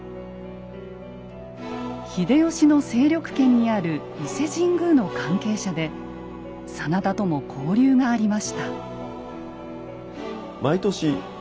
秀吉の勢力圏にある伊勢神宮の関係者で真田とも交流がありました。